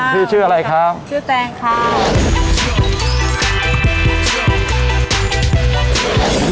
พี่ชื่ออะไรครับชื่อแตงครับ